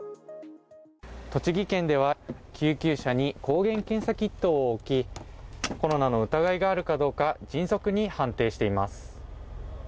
栃木県では救急車に抗原検査キットを置き、コロナの疑いがあるかどうか、迅速に判定しています。